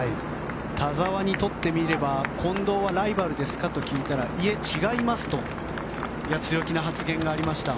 田澤にとってみれば近藤はライバルですかと聞いたらいえ、違いますと強気な発言がありました。